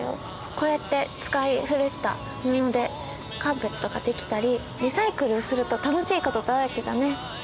こうやって使い古した布でカーペットが出来たりリサイクルすると楽しいことだらけだね。